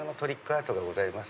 アートがございます。